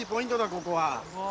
ここは。